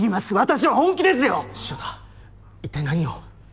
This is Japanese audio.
一体何を。